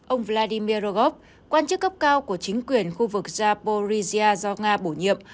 ông vladimir rogov quan chức cấp cao của chính quyền khu vực zaporizhia do nga bổ nhiệm